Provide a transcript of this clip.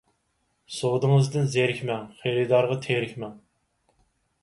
سودىڭىزدىن زېرىكمەڭ، خېرىدارغا تېرىكمەڭ.